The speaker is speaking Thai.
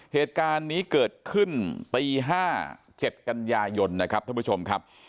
เหตุการณ์นี้เกิดขึ้นตี๕๗กันยายนนะครับท่านผู้ชมครับ